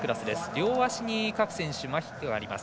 両足に各選手、まひがあります。